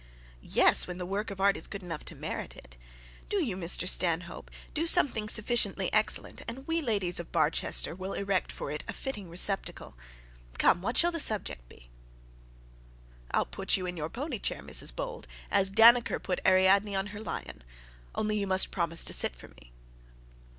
'Yes, when the work of art is good enough to merit it. Do you, Mr Stanhope, do something sufficiently excellent, and we ladies of Barchester will erect for it a fitting receptacle. Come, what shall the subject be?' 'I'll put you in your pony chair, Mrs Bold, as Dannecker put Ariadne on her lion. Only you must promise to sit for me.'